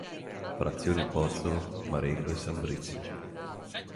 Frazioni Pozzolo, Marengo e San Brizio.